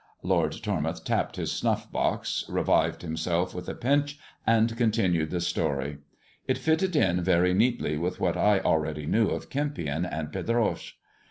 Lord Tormouth tapped his snufp box, revived himself with a pinch, and continued the story. It fitted in very neatly with what I already knew of Kempion and Pedroche.